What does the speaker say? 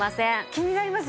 気になります。